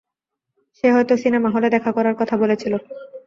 সে হয়ত সিনেমাহলে দেখা করার কথা বলেছিল।